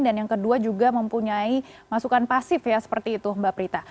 dan yang kedua juga mempunyai masukan pasif ya seperti itu mbak prita